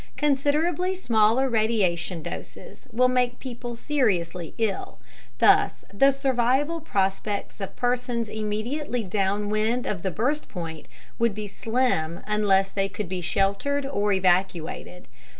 Considerably smaller radiation doses will make people seriously ill. Thus, the survival prospects of persons immediately downwind of the burst point would be slim unless they could be sheltered or evacuated.